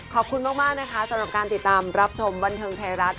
ขอบคุณมากนะคะสำหรับการติดตามรับชมบันเทิงไทยรัฐ